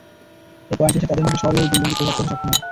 এ পয়েন্টে এসে তাদের মধ্যে শহরের ঐ গুঞ্জনটি প্রভাব ফেলতে সক্ষম হয়।